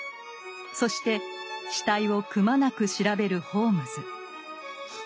そして死体をくまなく調べるホームズ。